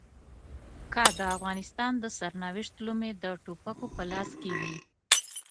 که د افغانستان د سرنوشت لومې د ټوپکو په لاس کې وي.